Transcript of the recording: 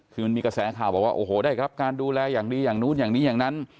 คือมันมีกระแสข่าวบอกว่าโอ้โหได้รับการดูแลอย่างดีอย่างนู้นอย่างนี้อย่างนั้น